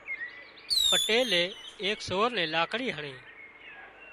پٽيلي ايڪ سور نين لاڪڙي هڻي